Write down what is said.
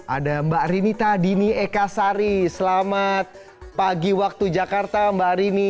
ada mbak rinita dini ekasari selamat pagi waktu jakarta mbak rini